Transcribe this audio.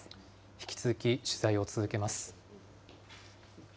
引き続き取材を続けます。